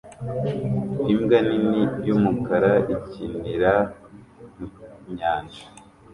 Imbwa nini y'umukara ikinira mu nyanja